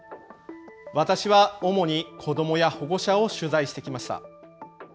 私は主に子どもや保護者を取材してきました。